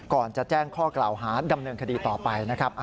ก่อนจะแจ้งข้อกล่าวหาดำเนินคดีต่อไปนะครับ